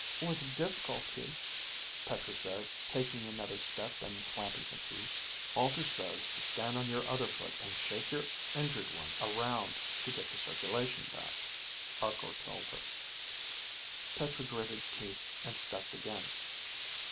"With difficulty," Petra said, taking another step and clamping her teeth. "Alter says to stand on your other foot and shake your injured one around to get the circulation back," Arkor told her. Petra gritted teeth, and stepped again.